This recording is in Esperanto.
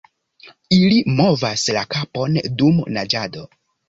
Ili movas la kapon dum naĝado.